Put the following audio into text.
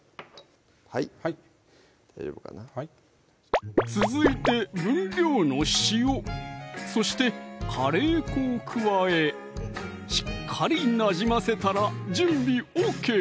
はい続いて分量の塩そしてカレー粉を加えしっかりなじませたら準備ＯＫ